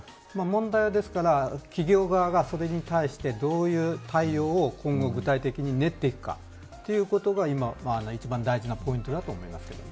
問題は、ですから企業側がそれに対してどういう対応を今後具体的に練っていくかということが一番大事だと思います。